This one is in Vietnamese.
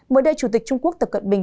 mới đây chủ tịch trung quốc tập cận bình